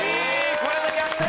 これで逆転！